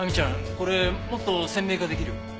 これもっと鮮明化できる？